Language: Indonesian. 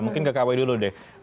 mungkin kekawai dulu deh